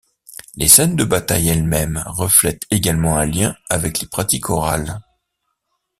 Les scènes de bataille elles-mêmes reflètent également un lien avec les pratiques orales.